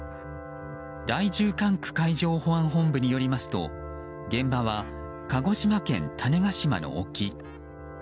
第１０管区海上保安部によりますと現場は鹿児島県種子島の沖。